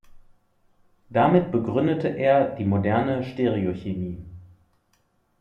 Damit begründete er die moderne Stereochemie.